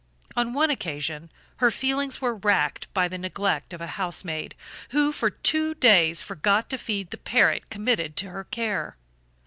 On one occasion her feelings were racked by the neglect of a housemaid, who for two days forgot to feed the parrot committed to her care.